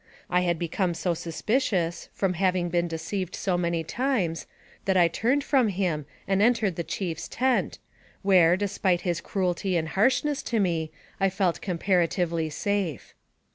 I had become so suspicious, from having been deceived so many times, that I turned from him and entered the chief's tent, where, despite his cruelty and harshness to me, I felt comparatively safe.